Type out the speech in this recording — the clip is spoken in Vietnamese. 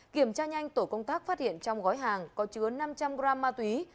kiểm tra nhanh tổ công tác phát hiện trong gói hàng có chứa năm trăm linh gram ma túy